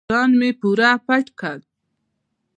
ځان مې پوره پټ کړ.